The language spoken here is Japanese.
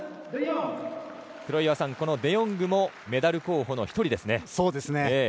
黒岩さん、デヨングもメダル候補の１人ですね。